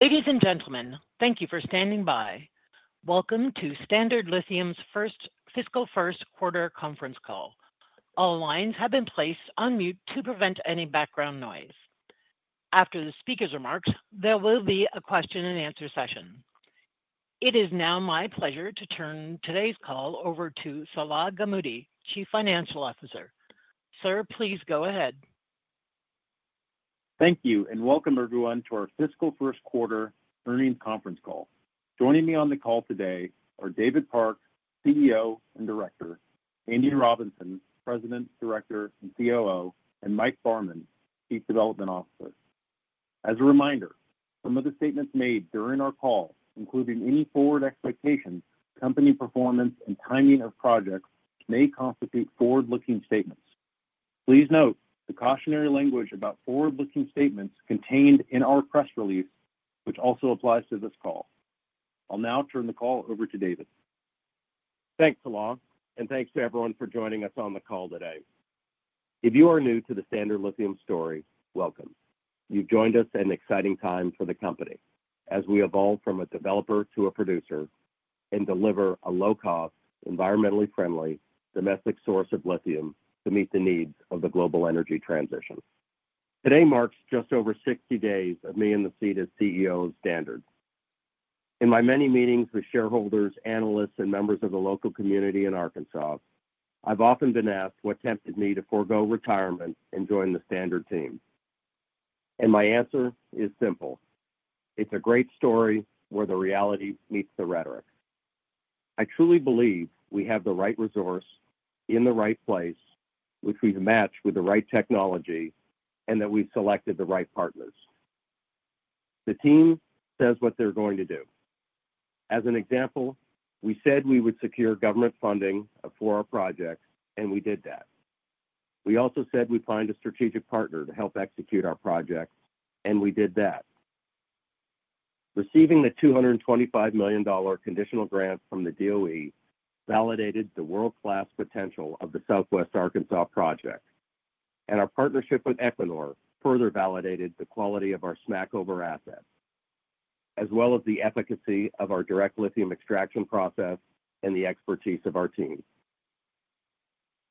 Ladies and gentlemen, thank you for standing by. Welcome to Standard Lithium's First Fiscal First Quarter Conference Call. All lines have been placed on mute to prevent any background noise. After the speaker's remarks, there will be a question-and-answer session. It is now my pleasure to turn today's call over to Salah Gamoudi, Chief Financial Officer. Sir, please go ahead. Thank you, and welcome everyone to our Fiscal First Quarter earnings conference call. Joining me on the call today are David Park, CEO and Director, Andy Robinson, President, Director, and COO, and Mike Barman, Chief Development Officer. As a reminder, some of the statements made during our call, including any forward expectations, company performance, and timing of projects, may constitute forward-looking statements. Please note the cautionary language about forward-looking statements contained in our press release, which also applies to this call. I'll now turn the call over to David. Thanks, Salah, and thanks to everyone for joining us on the call today. If you are new to the Standard Lithium story, welcome. You've joined us at an exciting time for the company, as we evolve from a developer to a producer and deliver a low-cost, environmentally friendly, domestic source of lithium to meet the needs of the global energy transition. Today marks just over 60 days of me in the seat as CEO of Standard. In my many meetings with shareholders, analysts, and members of the local community in Arkansas, I've often been asked what tempted me to forgo retirement and join the Standard team. And my answer is simple: it's a great story where the reality meets the rhetoric. I truly believe we have the right resource in the right place, which we've matched with the right technology, and that we've selected the right partners. The team says what they're going to do. As an example, we said we would secure government funding for our projects, and we did that. We also said we'd find a strategic partner to help execute our projects, and we did that. Receiving the $225 million conditional grant from the DOE validated the world-class potential of the Southwest Arkansas project, and our partnership with Equinor further validated the quality of our Smackover assets, as well as the efficacy of our direct lithium extraction process and the expertise of our team.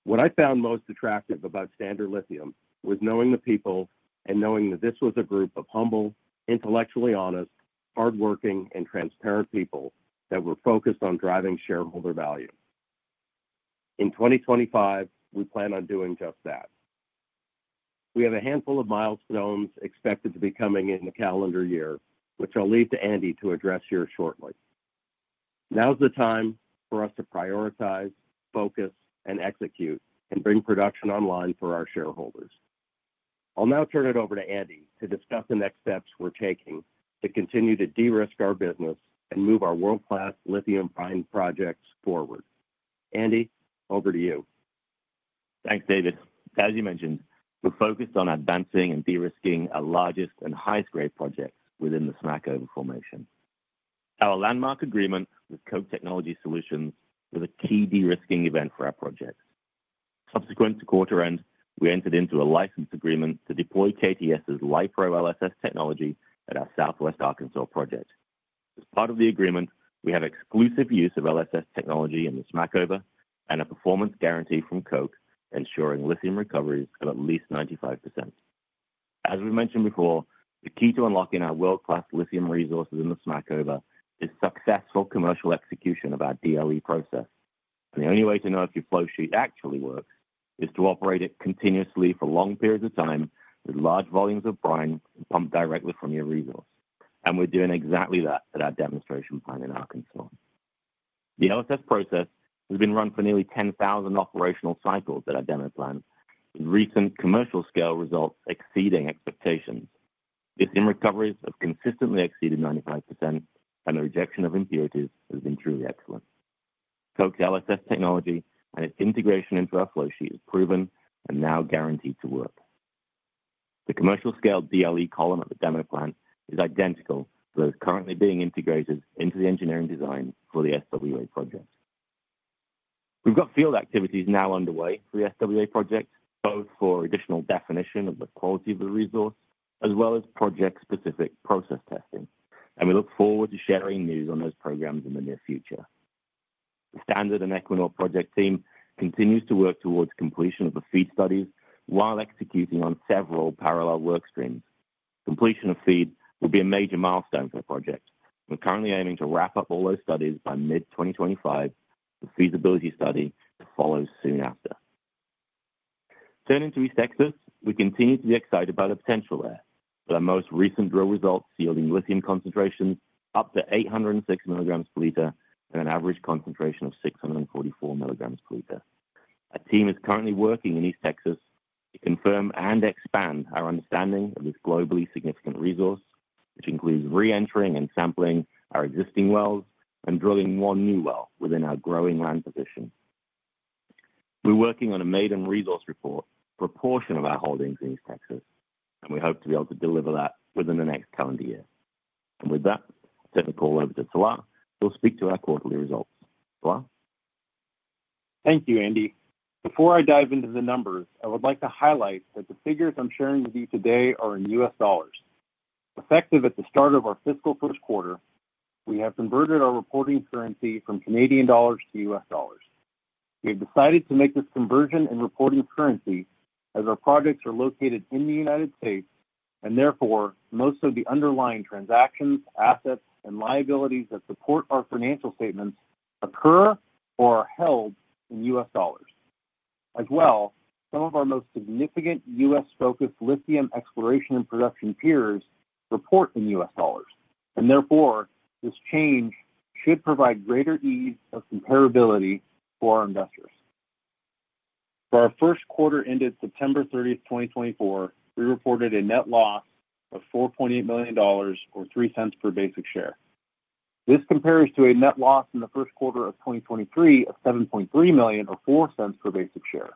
What I found most attractive about Standard Lithium was knowing the people and knowing that this was a group of humble, intellectually honest, hardworking, and transparent people that were focused on driving shareholder value. In 2025, we plan on doing just that. We have a handful of milestones expected to be coming in the calendar year, which I'll leave to Andy to address here shortly. Now's the time for us to prioritize, focus, and execute, and bring production online for our shareholders. I'll now turn it over to Andy to discuss the next steps we're taking to continue to de-risk our business and move our world-class lithium-brine projects forward. Andy, over to you. Thanks, David. As you mentioned, we're focused on advancing and de-risking our largest and highest-grade projects within the Smackover Formation. Our landmark agreement with Koch Technology Solutions was a key de-risking event for our project. Subsequent to quarter-end, we entered into a license agreement to deploy KTS's Li-Pro LSS technology at our Southwest Arkansas project. As part of the agreement, we have exclusive use of LSS technology in the Smackover and a performance guarantee from Koch, ensuring lithium recoveries of at least 95%. As we've mentioned before, the key to unlocking our world-class lithium resources in the Smackover is successful commercial execution of our DLE process. And the only way to know if your flowsheet actually works is to operate it continuously for long periods of time with large volumes of brine pumped directly from your resource. And we're doing exactly that at our demonstration plant in Arkansas. The LSS process has been run for nearly 10,000 operational cycles at our demo plant, with recent commercial-scale results exceeding expectations. Lithium recoveries have consistently exceeded 95%, and the rejection of impurities has been truly excellent. Koch's LSS technology and its integration into our flowsheet have proven and are now guaranteed to work. The commercial-scale DLE column at the demo plant is identical to those currently being integrated into the engineering design for the SWA project. We've got field activities now underway for the SWA project, both for additional definition of the quality of the resource as well as project-specific process testing, and we look forward to sharing news on those programs in the near future. The Standard and Equinor project team continues to work towards completion of the FEED studies while executing on several parallel work streams. Completion of FEED will be a major milestone for the project. We're currently aiming to wrap up all those studies by mid-2025, with a feasibility study to follow soon after. Turning to East Texas, we continue to be excited about the potential there. Our most recent drill results, yielding lithium concentrations up to 806 milligrams per liter and an average concentration of 644 milligrams per liter. Our team is currently working in East Texas to confirm and expand our understanding of this globally significant resource, which includes re-entering and sampling our existing wells and drilling one new well within our growing land position. We're working on a maiden resource report for a portion of our holdings in East Texas, and we hope to be able to deliver that within the next calendar year. And with that, I'll turn the call over to Salah, who will speak to our quarterly results. Salah? Thank you, Andy. Before I dive into the numbers, I would like to highlight that the figures I'm sharing with you today are in U.S. dollars. Effective at the start of our fiscal first quarter, we have converted our reporting currency from Canadian dollars to U.S. dollars. We have decided to make this conversion in reporting currency as our projects are located in the United States, and therefore most of the underlying transactions, assets, and liabilities that support our financial statements occur or are held in U.S. dollars. As well, some of our most significant U.S.-focused lithium exploration and production peers report in U.S. dollars, and therefore, this change should provide greater ease of comparability for our investors. For our first quarter ended September 30, 2024, we reported a net loss of $4.8 million, or $0.03 per basic share. This compares to a net loss in the first quarter of 2023 of $7.3 million, or $0.04 per basic share.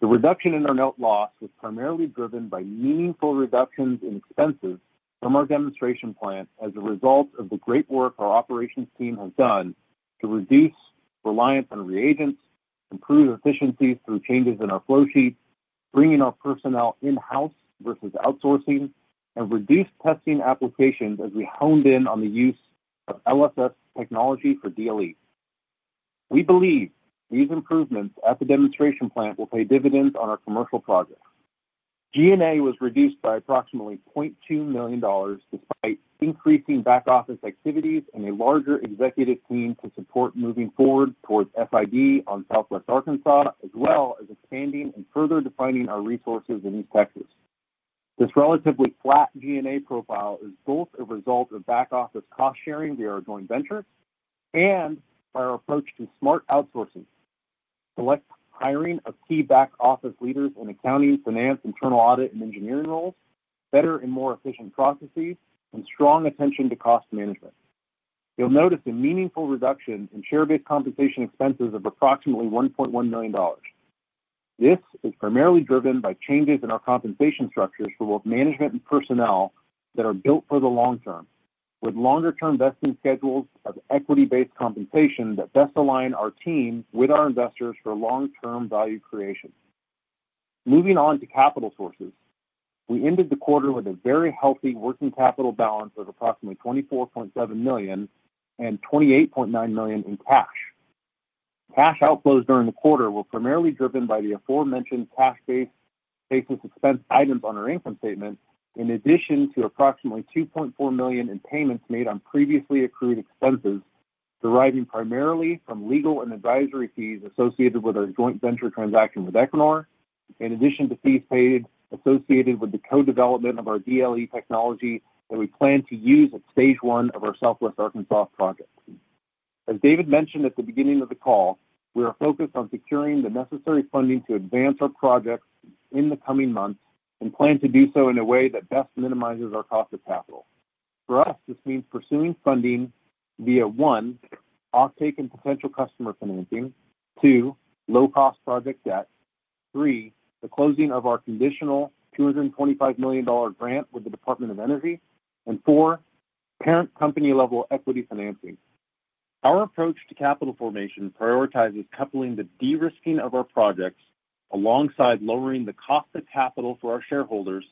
The reduction in our net loss was primarily driven by meaningful reductions in expenses from our demonstration plant as a result of the great work our operations team has done to reduce reliance on reagents, improve efficiencies through changes in our flowsheet, bring in our personnel in-house versus outsourcing, and reduce testing applications as we honed in on the use of LSS technology for DLE. We believe these improvements at the demonstration plant will pay dividends on our commercial projects. G&A was reduced by approximately $0.2 million despite increasing back-office activities and a larger executive team to support moving forward towards FID on Southwest Arkansas, as well as expanding and further defining our resources in East Texas. This relatively flat G&A profile is both a result of back-office cost-sharing via our joint venture and by our approach to smart outsourcing, select hiring of key back-office leaders in accounting, finance, internal audit, and engineering roles, better and more efficient processes, and strong attention to cost management. You'll notice a meaningful reduction in share-based compensation expenses of approximately $1.1 million. This is primarily driven by changes in our compensation structures for both management and personnel that are built for the long term, with longer-term vesting schedules of equity-based compensation that best align our team with our investors for long-term value creation. Moving on to capital sources, we ended the quarter with a very healthy working capital balance of approximately $24.7 million and $28.9 million in cash. Cash outflows during the quarter were primarily driven by the aforementioned cash-based business expense items on our income statement, in addition to approximately $2.4 million in payments made on previously accrued expenses deriving primarily from legal and advisory fees associated with our joint venture transaction with Equinor, in addition to fees paid associated with the co-development of our DLE technology that we plan to use at stage one of our Southwest Arkansas project. As David mentioned at the beginning of the call, we are focused on securing the necessary funding to advance our projects in the coming months and plan to do so in a way that best minimizes our cost of capital. For us, this means pursuing funding via one, off-take and potential customer financing, two, low-cost project debt, three, the closing of our conditional $225 million grant with the Department of Energy, and four, parent company-level equity financing. Our approach to capital formation prioritizes coupling the de-risking of our projects alongside lowering the cost of capital for our shareholders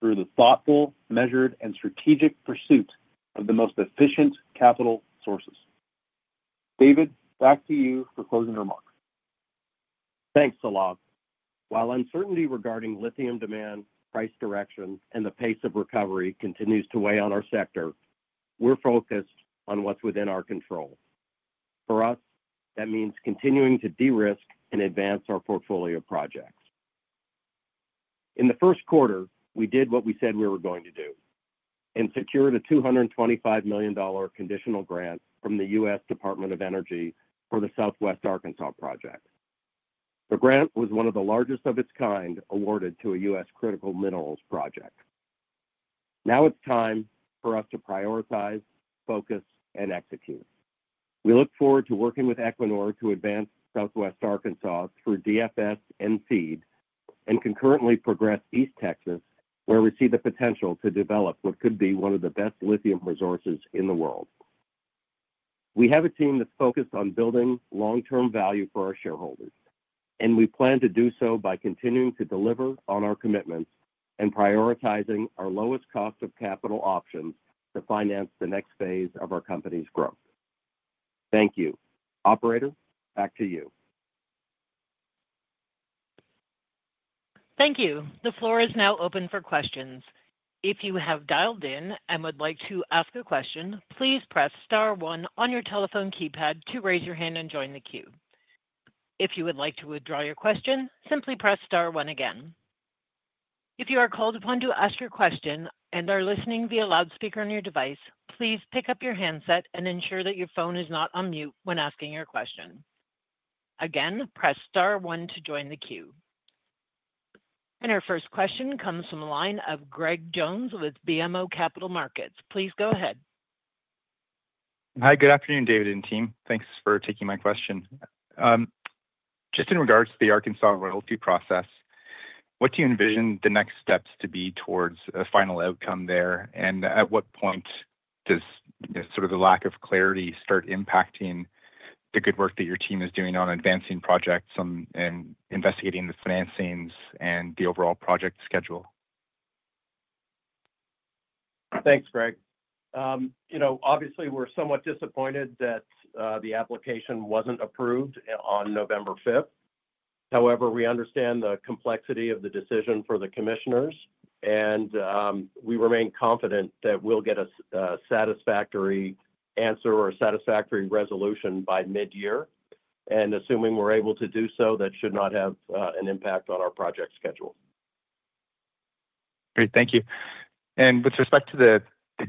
through the thoughtful, measured, and strategic pursuit of the most efficient capital sources. David, back to you for closing remarks. Thanks, Salah. While uncertainty regarding lithium demand, price direction, and the pace of recovery continues to weigh on our sector, we're focused on what's within our control. For us, that means continuing to de-risk and advance our portfolio projects. In the first quarter, we did what we said we were going to do and secured a $225 million conditional grant from the U.S. Department of Energy for the Southwest Arkansas project. The grant was one of the largest of its kind awarded to a U.S. critical minerals project. Now it's time for us to prioritize, focus, and execute. We look forward to working with Equinor to advance Southwest Arkansas through DFS and FEED and concurrently progress East Texas, where we see the potential to develop what could be one of the best lithium resources in the world. We have a team that's focused on building long-term value for our shareholders, and we plan to do so by continuing to deliver on our commitments and prioritizing our lowest cost of capital options to finance the next phase of our company's growth. Thank you. Operator, back to you. Thank you. The floor is now open for questions. If you have dialed in and would like to ask a question, please press star one on your telephone keypad to raise your hand and join the queue. If you would like to withdraw your question, simply press star one again. If you are called upon to ask your question and are listening via loudspeaker on your device, please pick up your handset and ensure that your phone is not on mute when asking your question. Again, press star one to join the queue. And our first question comes from a line of Greg Jones with BMO Capital Markets. Please go ahead. Hi, good afternoon, David and team. Thanks for taking my question. Just in regards to the Arkansas royalty process, what do you envision the next steps to be towards a final outcome there? And at what point does sort of the lack of clarity start impacting the good work that your team is doing on advancing projects and investigating the financings and the overall project schedule? Thanks, Greg. You know, obviously, we're somewhat disappointed that the application wasn't approved on November 5th. However, we understand the complexity of the decision for the commissioners, and we remain confident that we'll get a satisfactory answer or a satisfactory resolution by mid-year. And assuming we're able to do so, that should not have an impact on our project schedule. Great. Thank you. And with respect to the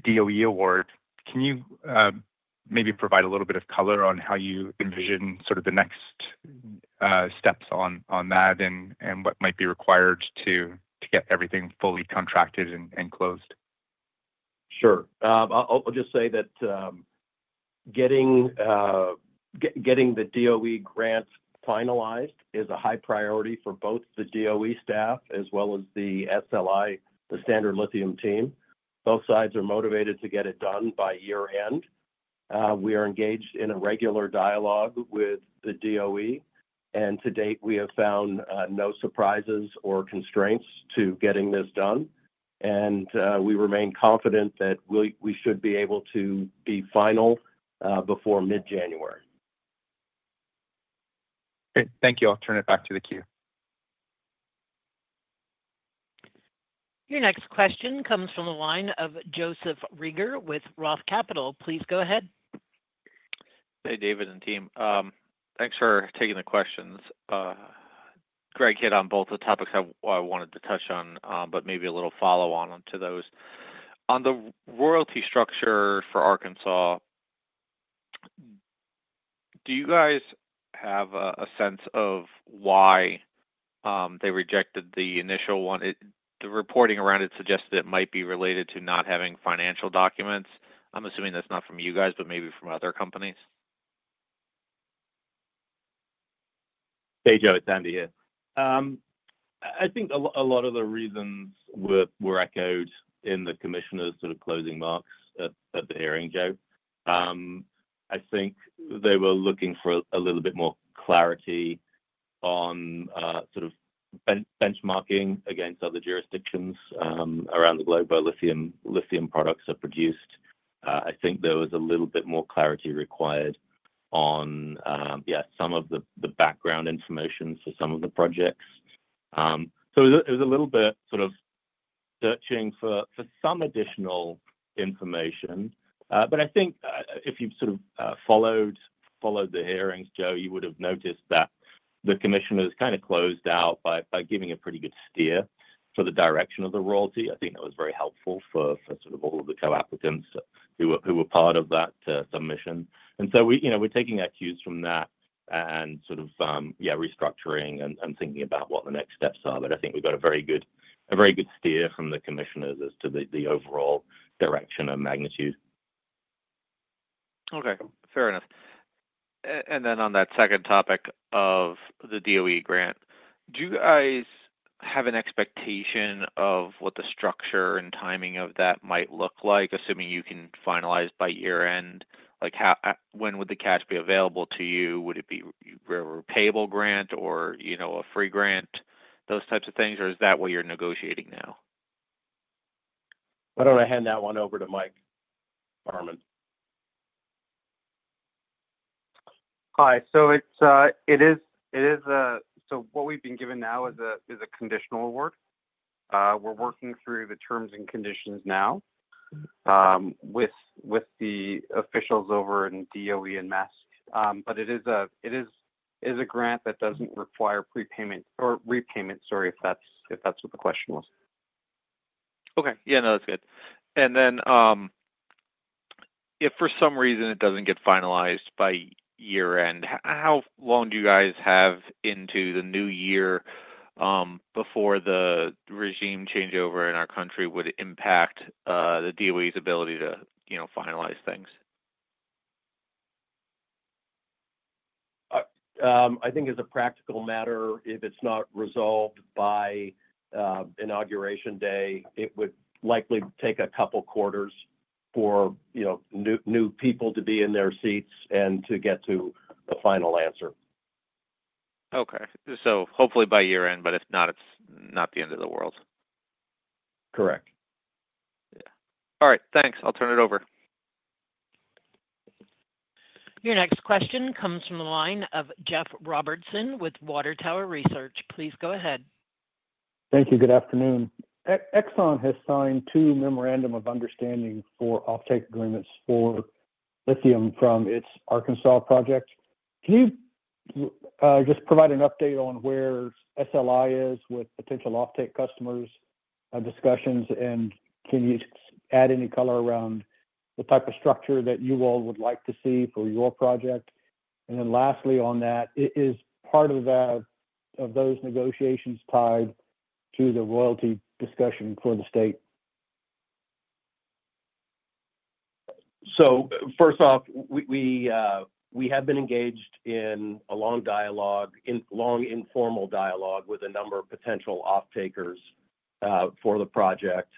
DOE award, can you maybe provide a little bit of color on how you envision sort of the next steps on that and what might be required to get everything fully contracted and closed? Sure. I'll just say that getting the DOE grant finalized is a high priority for both the DOE staff as well as the SLI, the Standard Lithium team. Both sides are motivated to get it done by year-end. We are engaged in a regular dialogue with the DOE, and to date, we have found no surprises or constraints to getting this done. And we remain confident that we should be able to be final before mid-January. Great. Thank you. I'll turn it back to the queue. Your next question comes from a line of Joseph Reagor with Roth Capital. Please go ahead. Hey, David and team. Thanks for taking the questions. Greg hit on both the topics I wanted to touch on, but maybe a little follow-on onto those. On the royalty structure for Arkansas, do you guys have a sense of why they rejected the initial one? The reporting around it suggested it might be related to not having financial documents. I'm assuming that's not from you guys, but maybe from other companies. Hey, Joe. It's Andy here. I think a lot of the reasons were echoed in the commissioners' sort of closing remarks at the hearing, Joe. I think they were looking for a little bit more clarity on sort of benchmarking against other jurisdictions around the globe where lithium products are produced. I think there was a little bit more clarity required on, yeah, some of the background information for some of the projects. So it was a little bit sort of searching for some additional information. But I think if you've sort of followed the hearings, Joe, you would have noticed that the commissioners kind of closed out by giving a pretty good steer for the direction of the royalty. I think that was very helpful for sort of all of the co-applicants who were part of that submission. And so we're taking our cues from that and sort of, yeah, restructuring and thinking about what the next steps are. But I think we've got a very good steer from the commissioners as to the overall direction and magnitude. Okay. Fair enough. And then on that second topic of the DOE grant, do you guys have an expectation of what the structure and timing of that might look like, assuming you can finalize by year-end? When would the cash be available to you? Would it be a repayable grant or a free grant, those types of things? Or is that what you're negotiating now? Why don't I hand that one over to Mike Barman? Hi. So, it is. So, what we've been given now is a conditional award. We're working through the terms and conditions now with the officials over in DOE and MESC, but it is a grant that doesn't require prepayment or repayment. Sorry, if that's what the question was. Okay. Yeah, no, that's good. And then if for some reason it doesn't get finalized by year-end, how long do you guys have into the new year before the regime changeover in our country would impact the DOE's ability to finalize things? I think as a practical matter, if it's not resolved by Inauguration Day, it would likely take a couple of quarters for new people to be in their seats and to get to a final answer. Okay. So hopefully by year-end, but if not, it's not the end of the world. Correct. Yeah. All right. Thanks. I'll turn it over. Your next question comes from a line of Jeff Robertson with Water Tower Research. Please go ahead. Thank you. Good afternoon. Exxon has signed two memorandums of understanding for off-take agreements for lithium from its Arkansas project. Can you just provide an update on where SLI is with potential off-take customers' discussions? And can you add any color around the type of structure that you all would like to see for your project? And then lastly on that, is part of those negotiations tied to the royalty discussion for the state? So first off, we have been engaged in a long dialogue, in long informal dialogue, with a number of potential off-takers for the project.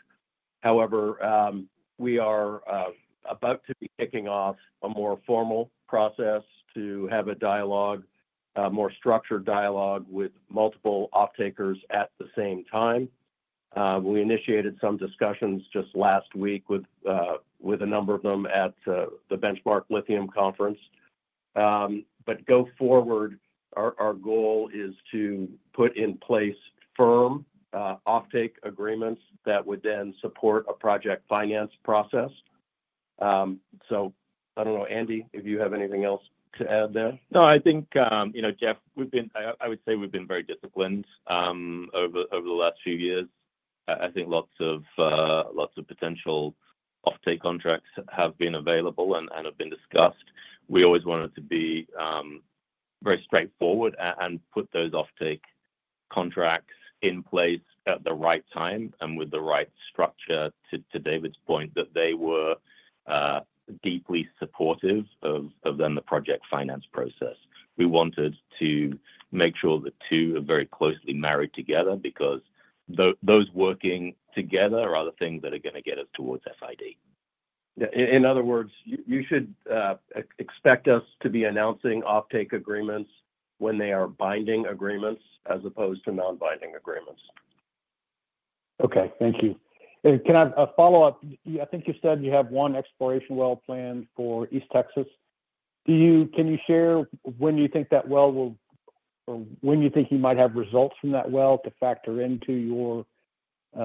However, we are about to be kicking off a more formal process to have a dialogue, a more structured dialogue with multiple off-takers at the same time. We initiated some discussions just last week with a number of them at the Benchmark Lithium Conference. But go forward, our goal is to put in place firm off-take agreements that would then support a project finance process. So I don't know, Andy, if you have anything else to add there. No, I think, Jeff, we've been. I would say we've been very disciplined over the last few years. I think lots of potential off-take contracts have been available and have been discussed. We always wanted to be very straightforward and put those off-take contracts in place at the right time and with the right structure to David's point that they were deeply supportive of the project finance process. We wanted to make sure the two are very closely married together because those working together are the things that are going to get us towards FID. Yeah. In other words, you should expect us to be announcing off-take agreements when they are binding agreements as opposed to non-binding agreements. Okay. Thank you. And can I follow up? I think you said you have one exploration well planned for East Texas. Can you share when you think that well will, or when you think you might have results from that well to factor into your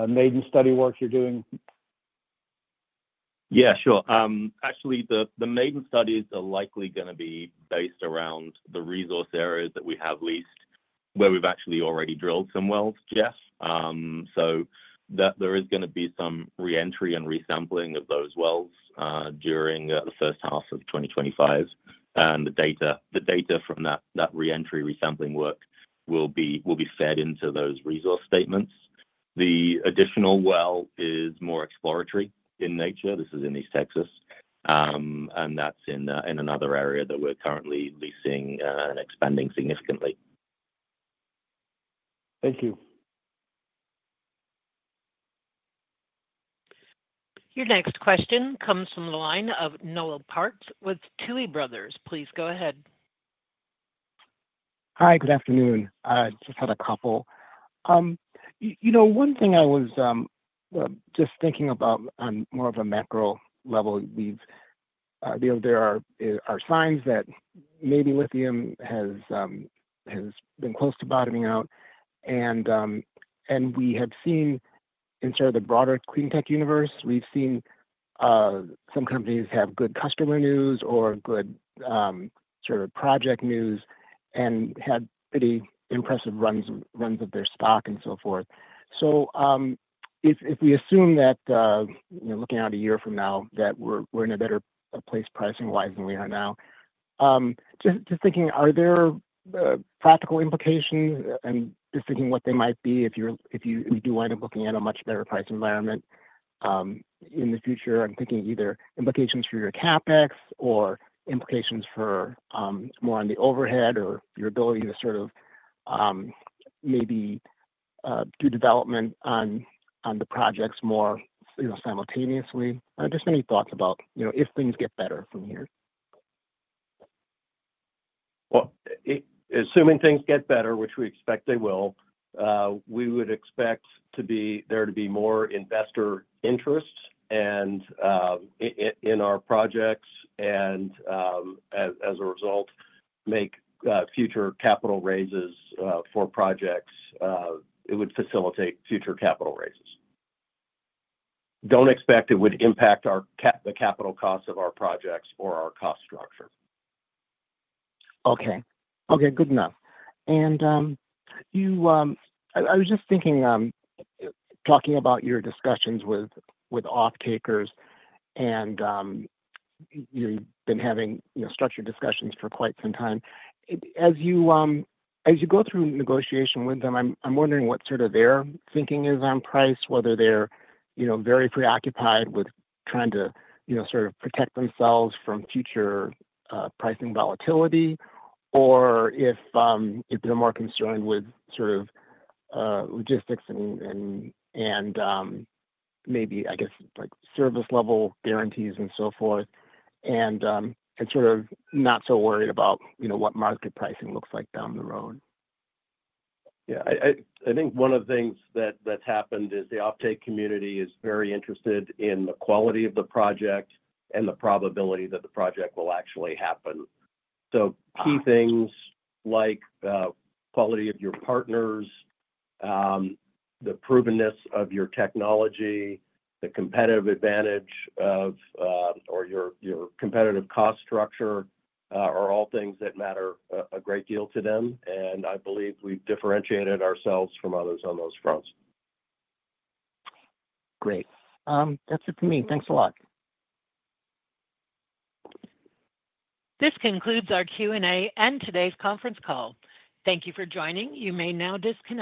maiden study work you're doing? Yeah, sure. Actually, the maiden studies are likely going to be based around the resource areas that we have leased, where we've actually already drilled some wells, Jeff. So there is going to be some re-entry and resampling of those wells during the first half of 2025, and the data from that re-entry resampling work will be fed into those resource statements. The additional well is more exploratory in nature. This is in East Texas, and that's in another area that we're currently leasing and expanding significantly. Thank you. Your next question comes from the line of Noel Parks with Tuohy Brothers. Please go ahead. Hi, good afternoon. Just had a couple. One thing I was just thinking about on more of a macro level, there are signs that maybe lithium has been close to bottoming out, and we have seen in sort of the broader cleantech universe, we've seen some companies have good customer news or good sort of project news and had pretty impressive runs of their stock and so forth, so if we assume that looking out a year from now that we're in a better place pricing-wise than we are now, just thinking, are there practical implications and just thinking what they might be if you do wind up looking at a much better price environment in the future? I'm thinking either implications for your CapEx or implications for more on the overhead or your ability to sort of maybe do development on the projects more simultaneously. Just many thoughts about if things get better from here. Assuming things get better, which we expect they will, we would expect there to be more investor interest in our projects and, as a result, make future capital raises for projects. It would facilitate future capital raises. Don't expect it would impact the capital costs of our projects or our cost structure. Okay. Okay. Good enough. And I was just thinking, talking about your discussions with off-takers, and you've been having structured discussions for quite some time. As you go through negotiation with them, I'm wondering what sort of their thinking is on price, whether they're very preoccupied with trying to sort of protect themselves from future pricing volatility or if they're more concerned with sort of logistics and maybe, I guess, service-level guarantees and so forth, and sort of not so worried about what market pricing looks like down the road? Yeah. I think one of the things that's happened is the off-take community is very interested in the quality of the project and the probability that the project will actually happen. So key things like quality of your partners, the provenness of your technology, the competitive advantage or your competitive cost structure are all things that matter a great deal to them. And I believe we've differentiated ourselves from others on those fronts. Great. That's it for me. Thanks a lot. This concludes our Q&A and today's conference call. Thank you for joining. You may now disconnect.